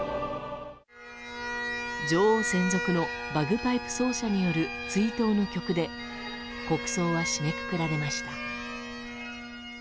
女王専属のバグパイプ奏者による追悼の曲で国葬は締めくくられました。